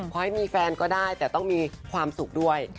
ให้มีแฟนก็ได้แต่ต้องมีความสุขด้วย